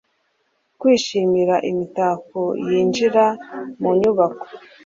Kwishimira imitako yinjira mu nyubako